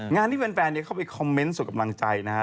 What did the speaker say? งานที่แฟนเข้าไปคอมเมนต์ส่งกำลังใจนะฮะ